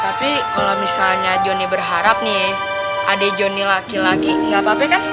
tapi kalau misalnya joni berharap nih adik joni laki laki gak apa apa kan